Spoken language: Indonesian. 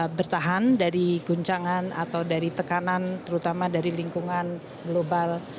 bisa bertahan dari guncangan atau dari tekanan terutama dari lingkungan global